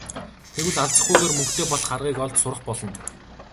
Тэгвэл алзахгүйгээр мөнгөтэй болох аргыг олж сурах болно.